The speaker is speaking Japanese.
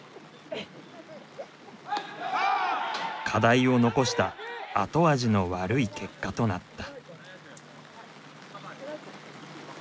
課題を残した後味の悪い結果となった。